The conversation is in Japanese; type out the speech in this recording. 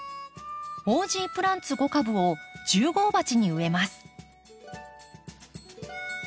オージープランツ５株を１０号鉢に植えます。